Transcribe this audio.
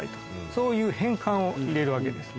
そういう変換を入れるわけです。